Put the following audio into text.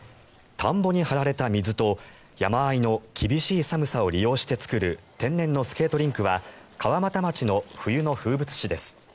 田んぼに張られた水と山あいの厳しい寒さを利用して作る天然のスケートリンクは川俣町の冬の風物詩です。